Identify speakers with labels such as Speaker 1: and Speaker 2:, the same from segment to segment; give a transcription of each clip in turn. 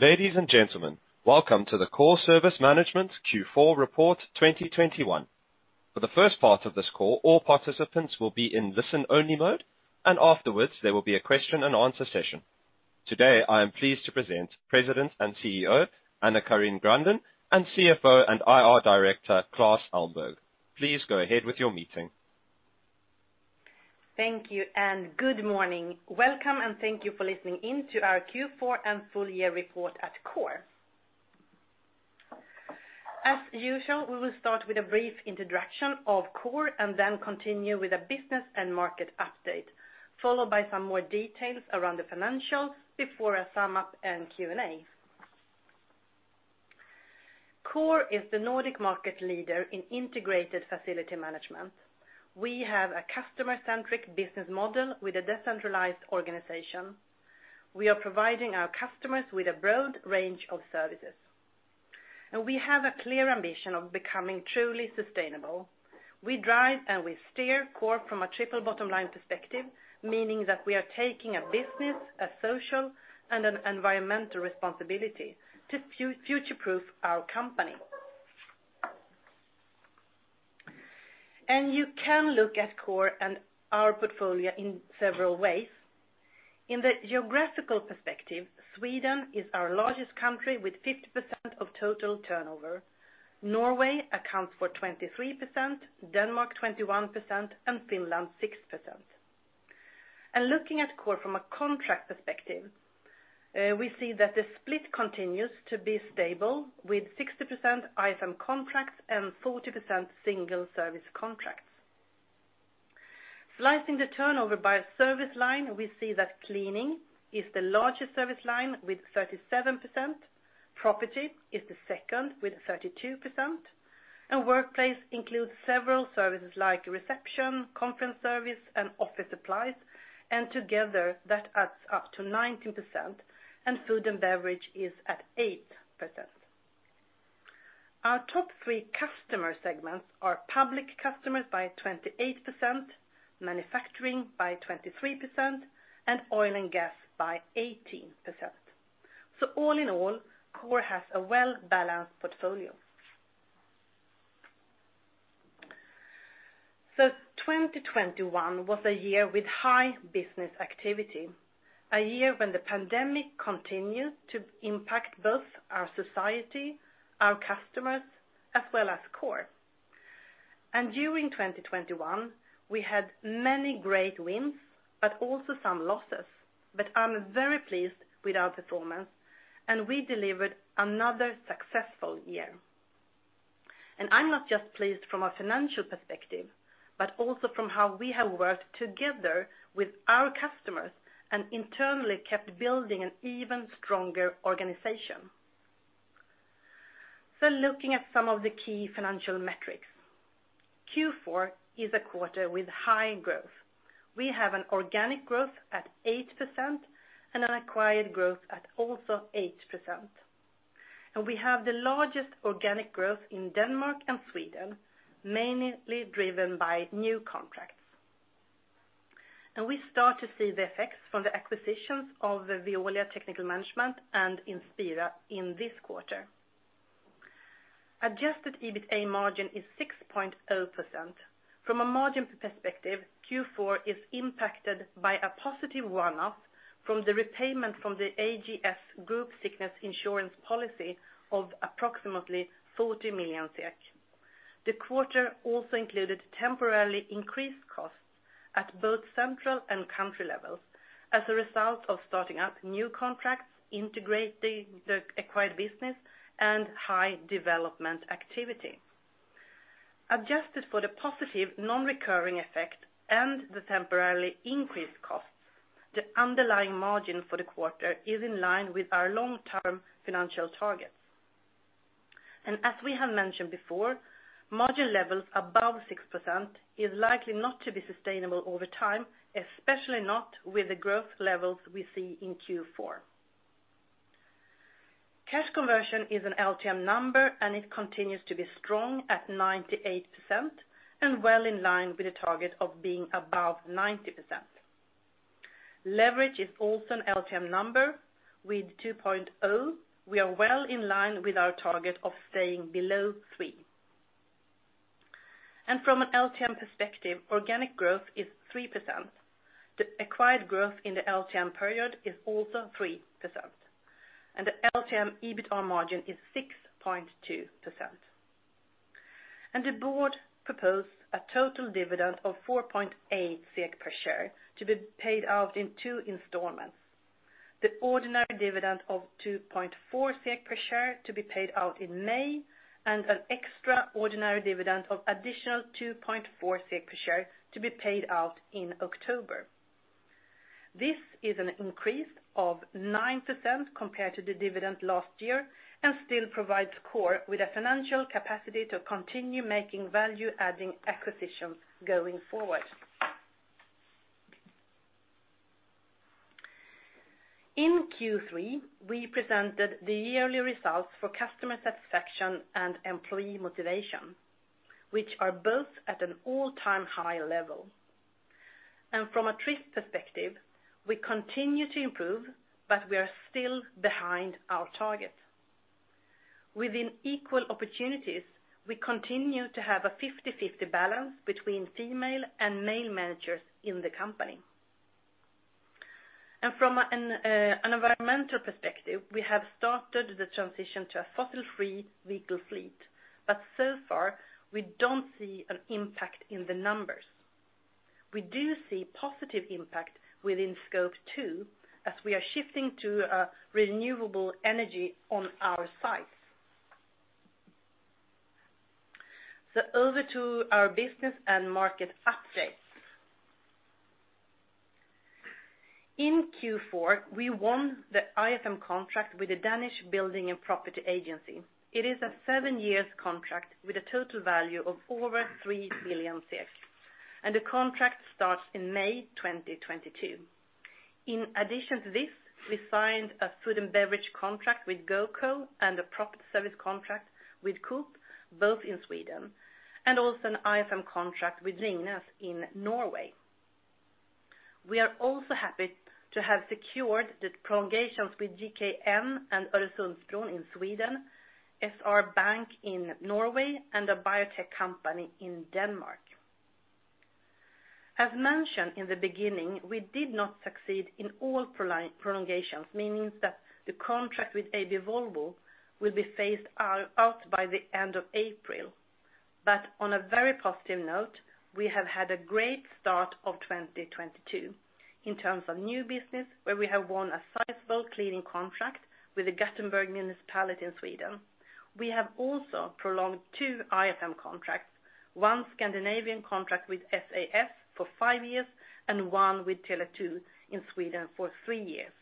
Speaker 1: Ladies and gentlemen, welcome to the Coor Service Management Q4 report 2021. For the first part of this call, all participants will be in listen only mode, and afterwards, there will be a question-and-answer session. Today, I am pleased to present President and CEO AnnaCarin Grandin and CFO and IR Director Klas Elmberg. Please go ahead with your meeting.
Speaker 2: Thank you and good morning. Welcome and thank you for listening in to our Q4 and full year report at Coor. As usual, we will start with a brief introduction of Coor and then continue with a business and market update, followed by some more details around the financials before a sum up and Q&A. Coor is the Nordic market leader in integrated facility management. We have a customer-centric business model with a decentralized organization. We are providing our customers with a broad range of services, and we have a clear ambition of becoming truly sustainable. We drive and we steer Coor from a triple bottom line perspective, meaning that we are taking a business, a social, and an environmental responsibility to future proof our company. You can look at Coor and our portfolio in several ways. In the geographical perspective, Sweden is our largest country with 50% of total turnover. Norway accounts for 23%, Denmark 21%, and Finland 6%. Looking at Coor from a contract perspective, we see that the split continues to be stable with 60% IFM contracts and 40% single service contracts. Slicing the turnover by service line, we see that cleaning is the largest service line with 37%. Property is the second with 32%. Workplace includes several services like reception, conference service, and office supplies. Together that adds up to 19%, and food and beverage is at 8%. Our top three customer segments are public customers by 28%, manufacturing by 23%, and oil and gas by 18%. All in all, Coor has a well-balanced portfolio. 2021 was a year with high business activity. A year when the pandemic continued to impact both our society, our customers, as well as Coor. During 2021, we had many great wins, but also some losses. I'm very pleased with our performance, and we delivered another successful year. I'm not just pleased from a financial perspective, but also from how we have worked together with our customers and internally kept building an even stronger organization. Looking at some of the key financial metrics. Q4 is a quarter with high growth. We have an organic growth at 8% and an acquired growth at also 8%. We have the largest organic growth in Denmark and Sweden, mainly driven by new contracts. We start to see the effects from the acquisitions of Veolia Technical Management and Inspira in this quarter. Adjusted EBITA margin is 6.0%. From a margin perspective, Q4 is impacted by a positive one-off from the repayment from the Afa Försäkring sickness insurance policy of approximately 40 million SEK. The quarter also included temporarily increased costs at both central and country levels as a result of starting up new contracts, integrating the acquired business, and high development activity. Adjusted for the positive non-recurring effect and the temporarily increased costs, the underlying margin for the quarter is in line with our long-term financial targets. As we have mentioned before, margin levels above 6% is likely not to be sustainable over time, especially not with the growth levels we see in Q4. Cash conversion is an LTM number, and it continues to be strong at 98% and well in line with the target of being above 90%. Leverage is also an LTM number. With 2.0, we are well in line with our target of staying below 3. From an LTM perspective, organic growth is 3%. The acquired growth in the LTM period is also 3%, and the LTM EBITA margin is 6.2%. The board proposed a total dividend of 4.8 SEK per share to be paid out in 2 installments. The ordinary dividend of 2.4 per share to be paid out in May, and an extraordinary dividend of additional 2.4 per share to be paid out in October. This is an increase of 9% compared to the dividend last year and still provides Coor with a financial capacity to continue making value-adding acquisitions going forward. In Q3, we presented the yearly results for customer satisfaction and employee motivation, which are both at an all-time high level. From a trust perspective, we continue to improve, but we are still behind our targets. Within equal opportunities, we continue to have a 50/50 balance between female and male managers in the company. From an environmental perspective, we have started the transition to a fossil-free vehicle fleet. So far, we don't see an impact in the numbers. We do see positive impact within scope two as we are shifting to renewable energy on our sites. Over to our business and market updates. In Q4, we won the IFM contract with the Danish Building and Property Agency. It is a seven-year contract with a total value of over 3 billion, and the contract starts in May 2022. In addition to this, we signed a food and beverage contract with GoCo and a property service contract with Coop, both in Sweden, and also an IFM contract with Lingnes in Norway. We are also happy to have secured the prolongations with GKN and Øresundsbron in Sweden, SR Bank in Norway, and a biotech company in Denmark. As mentioned in the beginning, we did not succeed in all prolongations, meaning that the contract with AB Volvo will be phased out by the end of April. On a very positive note, we have had a great start of 2022 in terms of new business, where we have won a sizable cleaning contract with the Gothenburg Municipality in Sweden. We have also prolonged two IFM contracts, one Scandinavian contract with SAS for five years and one with Tele2 in Sweden for three years.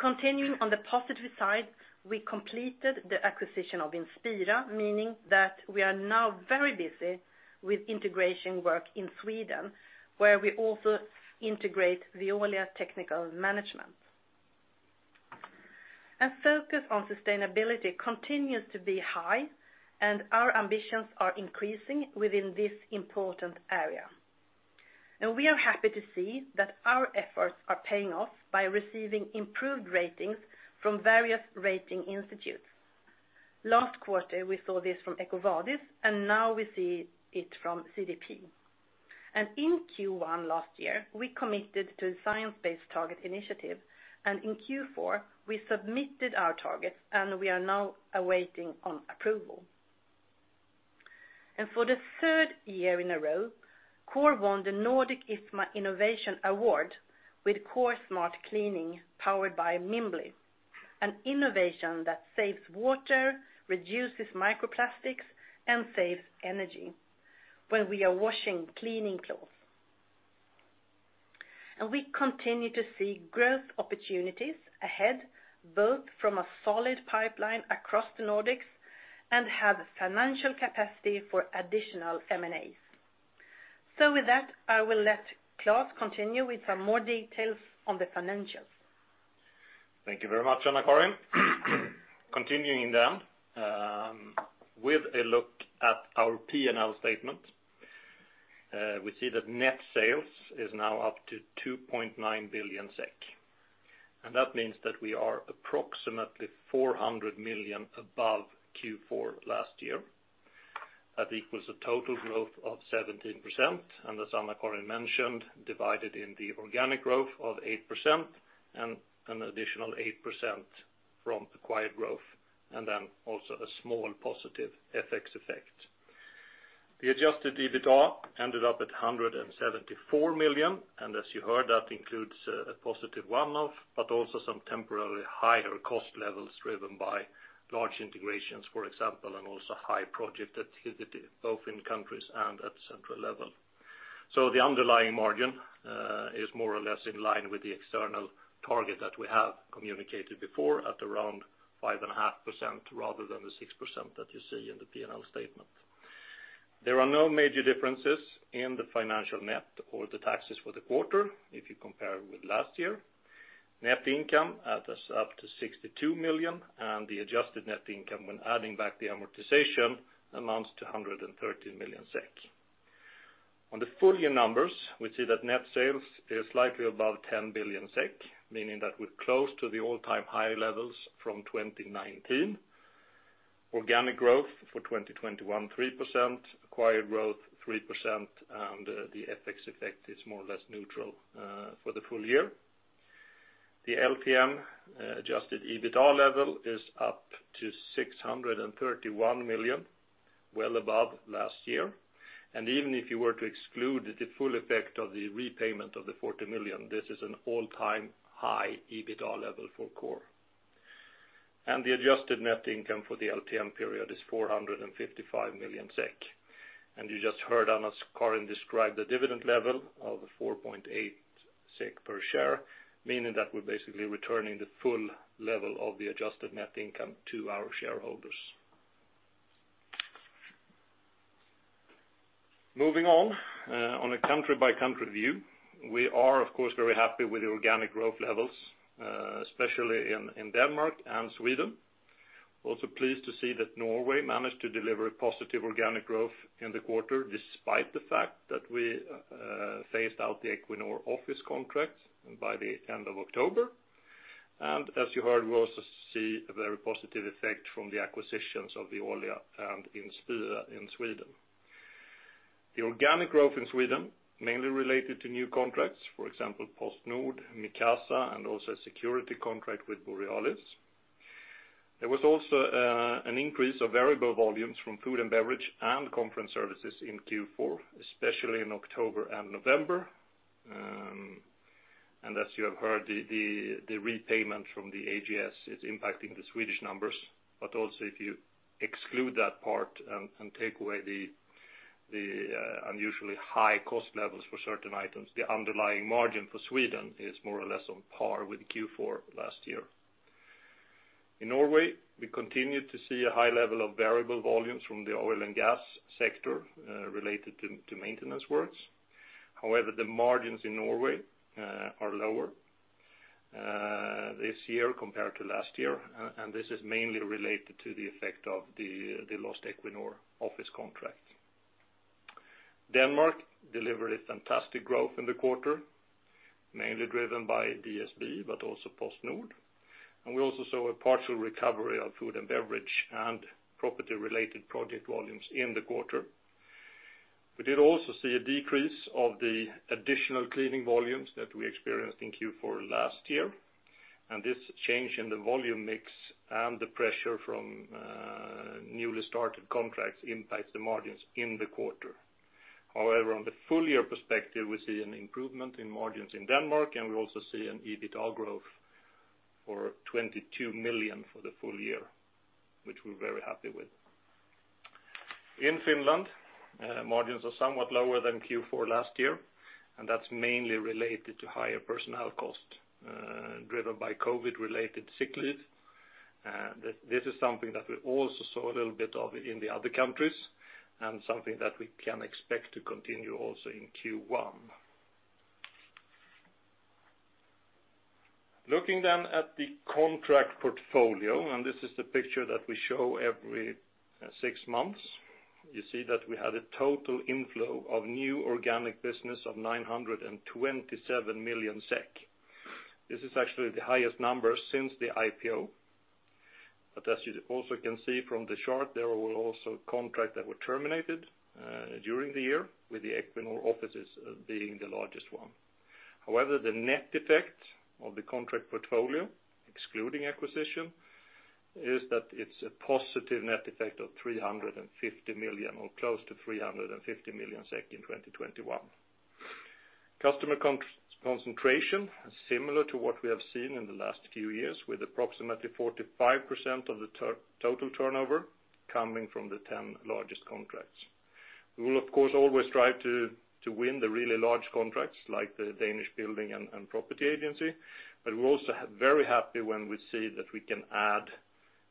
Speaker 2: Continuing on the positive side, we completed the acquisition of Inspira, meaning that we are now very busy with integration work in Sweden, where we also integrate Veolia Technical Management. Focus on sustainability continues to be high, and our ambitions are increasing within this important area. We are happy to see that our efforts are paying off by receiving improved ratings from various rating institutes. Last quarter, we saw this from EcoVadis, and now we see it from CDP. In Q1 last year, we committed to a science-based target initiative, and in Q4, we submitted our targets, and we are now awaiting on approval. For the third year in a row, Coor won the Nordic IFMA Innovation Award with Coor Smart Cleaning powered by Mimbly, an innovation that saves water, reduces microplastics, and saves energy when we are washing cleaning clothes. We continue to see growth opportunities ahead, both from a solid pipeline across the Nordics and have financial capacity for additional MNAs. With that, I will let Klas continue with some more details on the financials.
Speaker 3: Thank you very much, AnnaCarin. Continuing with a look at our P&L statement, we see that net sales is now up to 2.9 billion SEK, and that means that we are approximately 400 million above Q4 last year. That equals a total growth of 17%, and as AnnaCarin mentioned, divided in the organic growth of 8% and an additional 8% from acquired growth, and then also a small positive FX effect. The adjusted EBITDA ended up at 174 million, and as you heard, that includes a positive one-off, but also some temporarily higher cost levels driven by large integrations, for example, and also high project activity, both in countries and at the central level. The underlying margin is more or less in line with the external target that we have communicated before at around 5.5% rather than the 6% that you see in the P&L statement. There are no major differences in the financial net or the taxes for the quarter if you compare with last year. Net income ended up at 62 million, and the adjusted net income when adding back the amortization amounts to 113 million. On the full year numbers, we see that net sales is slightly above 10 billion SEK, meaning that we're close to the all-time high levels from 2019. Organic growth for 2021, 3%. Acquired growth, 3%. The FX effect is more or less neutral for the full year. The LTM adjusted EBITDA level is up to 631 million, well above last year. Even if you were to exclude the full effect of the repayment of the 40 million, this is an all-time high EBITDA level for Coor. The adjusted net income for the LTM period is 455 million SEK. You just heard AnnaCarin describe the dividend level of 4.8 SEK per share, meaning that we're basically returning the full level of the adjusted net income to our shareholders. Moving on a country-by-country view, we are of course very happy with the organic growth levels, especially in Denmark and Sweden. Also pleased to see that Norway managed to deliver positive organic growth in the quarter, despite the fact that we phased out the Equinor office contract by the end of October. As you heard, we also see a very positive effect from the acquisitions of the Veolia and Inspira in Sweden. The organic growth in Sweden mainly related to new contracts, for example, PostNord, Micasa, and also a security contract with Borealis. There was also an increase of variable volumes from food and beverage and conference services in Q4, especially in October and November. As you have heard, the repayment from the AGS is impacting the Swedish numbers. Also if you exclude that part and take away the unusually high cost levels for certain items, the underlying margin for Sweden is more or less on par with Q4 last year. In Norway, we continue to see a high level of variable volumes from the oil and gas sector, related to maintenance works. However, the margins in Norway are lower this year compared to last year, and this is mainly related to the effect of the lost Equinor office contract. Denmark delivered a fantastic growth in the quarter, mainly driven by DSB, but also PostNord. We also saw a partial recovery of food and beverage and property-related project volumes in the quarter. We did also see a decrease of the additional cleaning volumes that we experienced in Q4 last year, and this change in the volume mix and the pressure from newly started contracts impacts the margins in the quarter. However, on the full year perspective, we see an improvement in margins in Denmark, and we also see an EBITDA growth for 22 million for the full year, which we're very happy with. In Finland, margins are somewhat lower than Q4 last year, and that's mainly related to higher personnel costs, driven by COVID-related sick leave. This is something that we also saw a little bit of in the other countries and something that we can expect to continue also in Q1. Looking at the contract portfolio, and this is the picture that we show every six months. You see that we had a total inflow of new organic business of 927 million SEK. This is actually the highest number since the IPO. As you also can see from the chart, there were also contracts that were terminated during the year with the Equinor offices being the largest one. However, the net effect of the contract portfolio, excluding acquisition, is that it's a positive net effect of 350 million or close to 350 million SEK in 2021. Customer concentration is similar to what we have seen in the last few years, with approximately 45% of the total turnover coming from the 10 largest contracts. We will, of course, always try to win the really large contracts like the Danish Building and Property Agency. We're also very happy when we see that we can add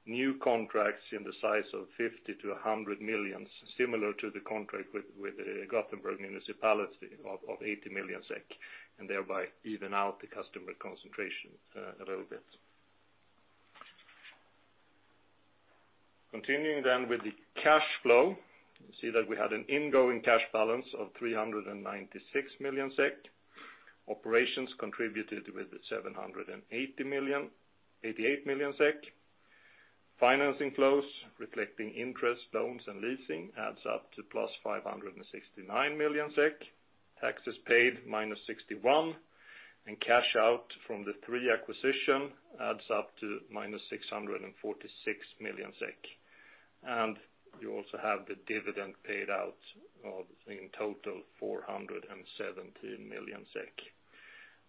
Speaker 3: new contracts in the size of 50 million-100 million, similar to the contract with the Gothenburg Municipality of 80 million SEK, and thereby even out the customer concentration a little bit. Continuing with the cash flow, you see that we had an ingoing cash balance of 396 million SEK. Operations contributed with 788 million. Financing flows, reflecting interest, loans, and leasing adds up to +569 million SEK. Taxes paid, -61 million, and cash out from the three acquisition adds up to -646 million SEK. You also have the dividend paid out of, in total, 470 million SEK.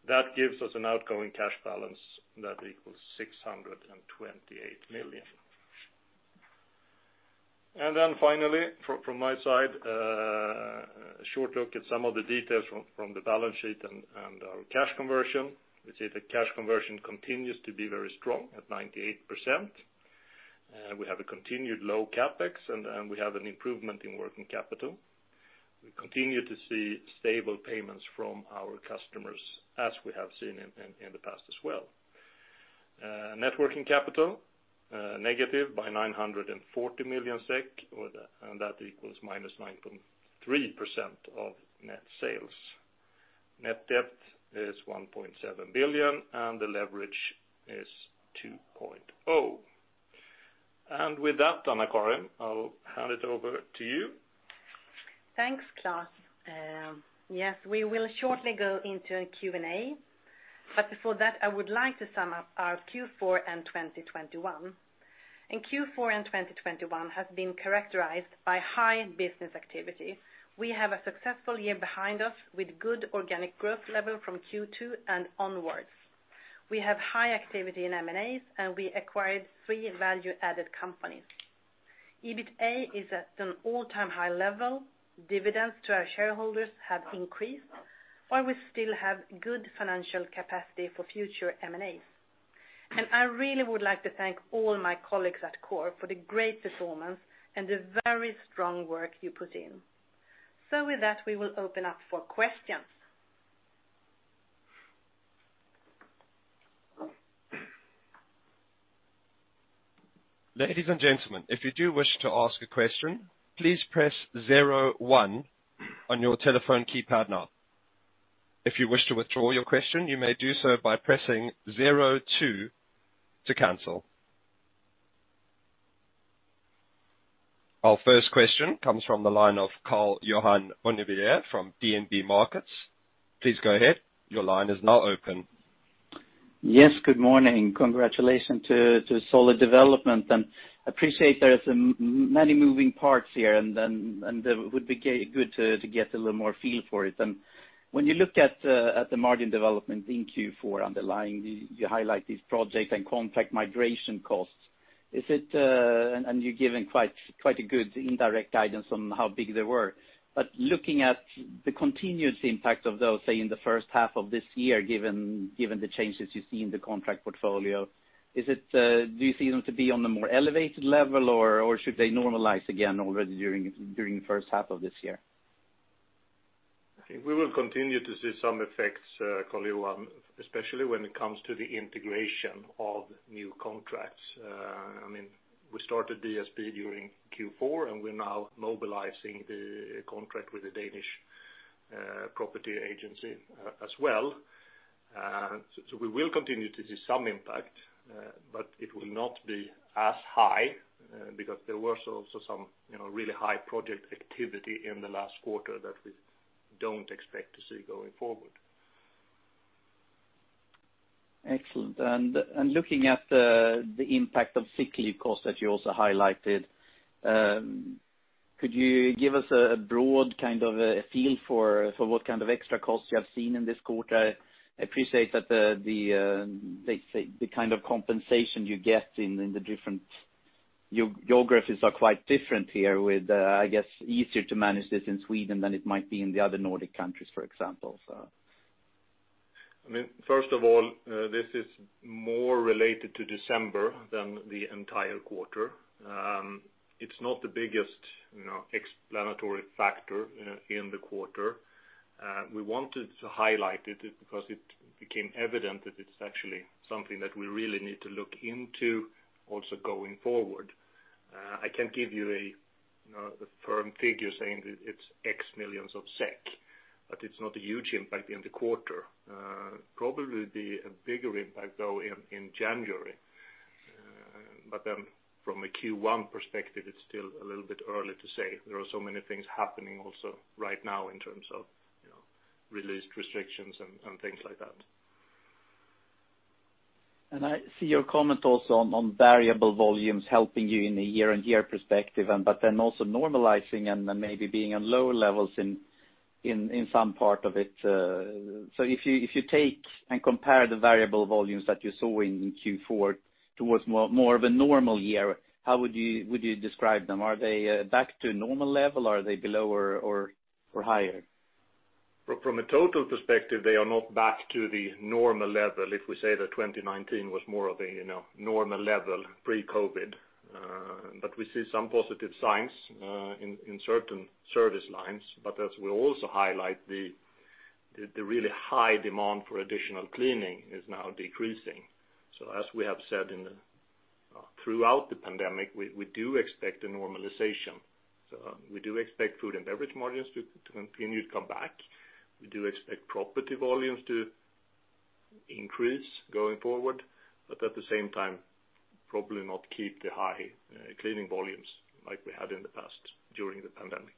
Speaker 3: That gives us an outgoing cash balance that equals 628 million. Finally, from my side, a short look at some of the details from the balance sheet and our cash conversion. We see the cash conversion continues to be very strong at 98%. We have a continued low CapEx and we have an improvement in working capital. We continue to see stable payments from our customers as we have seen in the past as well. Net working capital negative by 940 million SEK, and that equals -9.3% of net sales. Net debt is 1.7 billion, and the leverage is 2.0. With that, AnnaCarin, I'll hand it over to you.
Speaker 2: Thanks, Klas. Yes, we will shortly go into a Q&A. Before that, I would like to sum up our Q4 and 2021. In Q4 and 2021 has been characterized by high business activity. We have a successful year behind us with good organic growth level from Q2 and onwards. We have high activity in M&As, and we acquired three value-added companies. EBITDA is at an all-time high level. Dividends to our shareholders have increased, while we still have good financial capacity for future M&As. I really would like to thank all my colleagues at Coor for the great performance and the very strong work you put in. With that, we will open up for questions.
Speaker 1: Ladies and gentlemen, if you do wish to ask a question, please press zero one on your telephone keypad now. If you wish to withdraw your question, you may do so by pressing zero two to cancel. Our first question comes from the line of Karl-Johan Bonnevier from DNB Markets. Please go ahead. Your line is now open.
Speaker 4: Yes, good morning. Congratulations to solid development. I appreciate there are so many moving parts here, and it would be good to get a little more feel for it. When you look at the margin development in Q4 underlying, you highlight these projects and contract migration costs. You're giving quite a good indirect guidance on how big they were. Looking at the continuous impact of those, say, in the first half of this year, given the changes you see in the contract portfolio, do you see them to be on the more elevated level, or should they normalize again already during the first half of this year?
Speaker 3: I think we will continue to see some effects, Karl-Johan, especially when it comes to the integration of new contracts. I mean, we started DSB during Q4, and we're now mobilizing the contract with the Danish Building and Property Agency as well. We will continue to see some impact, but it will not be as high, because there were also some, you know, really high project activity in the last quarter that we don't expect to see going forward.
Speaker 4: Excellent. Looking at the impact of sick leave costs that you also highlighted, could you give us a broad kind of a feel for what kind of extra costs you have seen in this quarter? I appreciate that they say the kind of compensation you get in the different geographies are quite different here with, I guess, easier to manage this in Sweden than it might be in the other Nordic countries, for example.
Speaker 3: I mean, first of all, this is more related to December than the entire quarter. It's not the biggest, you know, explanatory factor in the quarter. We wanted to highlight it because it became evident that it's actually something that we really need to look into also going forward. I can give you a, you know, a firm figure saying that it's SEK X million, but it's not a huge impact in the quarter. Probably be a bigger impact though in January. From a Q1 perspective, it's still a little bit early to say. There are so many things happening also right now in terms of, you know, released restrictions and things like that.
Speaker 4: I see your comment also on variable volumes helping you in a year-on-year perspective, but then also normalizing and then maybe being at lower levels in some part of it. If you take and compare the variable volumes that you saw in Q4 towards more of a normal year, how would you describe them? Are they back to normal level? Are they below or higher?
Speaker 3: From a total perspective, they are not back to the normal level if we say that 2019 was more of a, you know, normal level pre-COVID. We see some positive signs in certain service lines. As we also highlight, the really high demand for additional cleaning is now decreasing. As we have said throughout the pandemic, we do expect a normalization. We do expect food and beverage margins to continue to come back. We do expect property volumes to increase going forward, but at the same time, probably not keep the high cleaning volumes like we had in the past during the pandemic.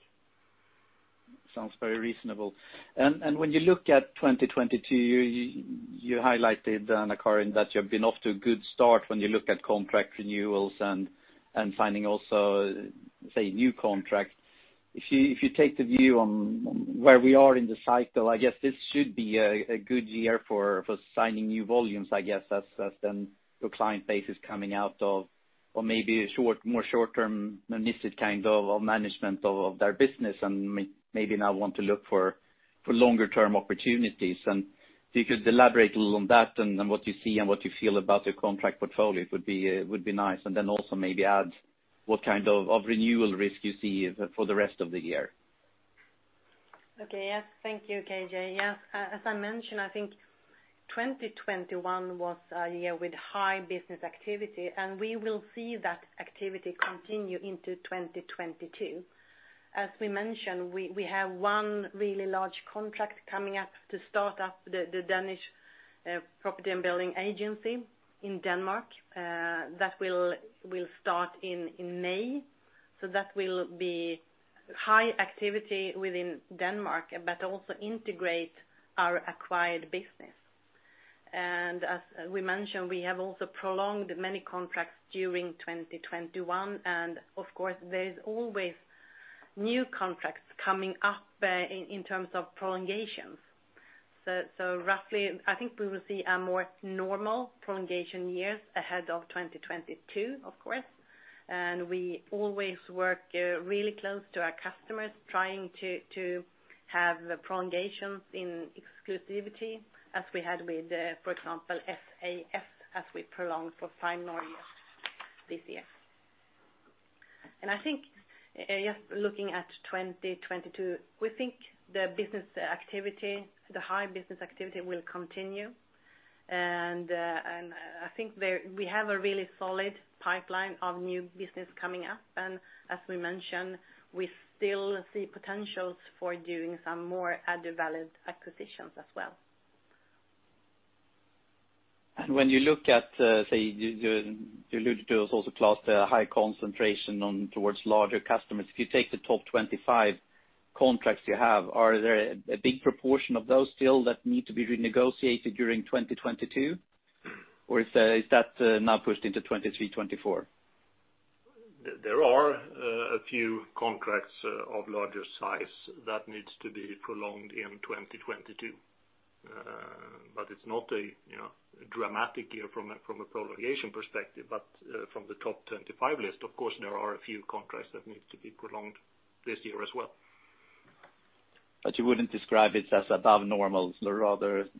Speaker 4: Sounds very reasonable. When you look at 2022, you highlighted, AnnaCarin, that you have been off to a good start when you look at contract renewals and signing also, say, new contracts. If you take the view on where we are in the cycle, I guess this should be a good year for signing new volumes, I guess, as then your client base is coming out of or maybe a short, more short-term, amiss kind of management of their business and maybe now want to look for longer term opportunities. If you could elaborate a little on that and what you see and what you feel about the contract portfolio, it would be nice. Also maybe add what kind of renewal risk you see for the rest of the year.
Speaker 2: Okay. Yes. Thank you, KJ. Yes. As I mentioned, I think 2021 was a year with high business activity, and we will see that activity continue into 2022. As we mentioned, we have one really large contract coming up to start up the Danish Building and Property Agency in Denmark that will start in May. That will be high activity within Denmark but also integrate our acquired business. As we mentioned, we have also prolonged many contracts during 2021, and of course, there is always new contracts coming up in terms of prolongations. Roughly, I think we will see a more normal prolongation years ahead of 2022, of course. We always work really close to our customers, trying to have prolongations in exclusivity as we had with, for example, SAS as we prolonged for five more years this year. I think, yes, looking at 2022, we think the business activity, the high business activity will continue. I think we have a really solid pipeline of new business coming up. As we mentioned, we still see potentials for doing some more added value acquisitions as well.
Speaker 4: When you look at, say, you alluded to us also, Claes, the high concentration on towards larger customers. If you take the top 2025 contracts you have, are there a big proportion of those still that need to be renegotiated during 2022? Or is that now pushed into 2024?
Speaker 3: There are a few contracts of larger size that needs to be prolonged in 2022. It's not, you know, a dramatic year from a prolongation perspective. From the top 2025 list, of course, there are a few contracts that needs to be prolonged this year as well.
Speaker 4: You wouldn't describe it as above normal?
Speaker 3: No.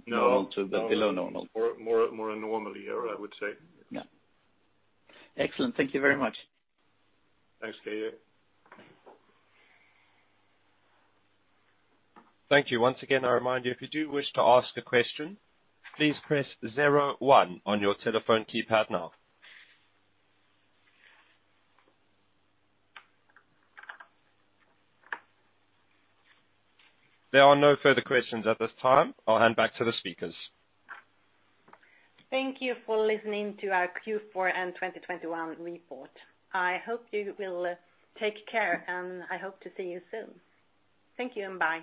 Speaker 4: Normal to the below normal?
Speaker 3: More or less a normal year, I would say.
Speaker 4: Yeah. Excellent. Thank you very much.
Speaker 3: Thanks, KJ.
Speaker 1: Thank you. Once again, I remind you, if you do wish to ask a question, please press zero one on your telephone keypad now. There are no further questions at this time. I'll hand back to the speakers.
Speaker 2: Thank you for listening to our Q4 and 2021 report. I hope you will take care, and I hope to see you soon. Thank you and bye.